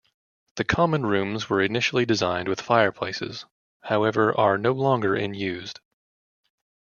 The common rooms were initially designed with fireplaces, however are no longer in used.